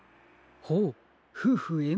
ほうふうふえん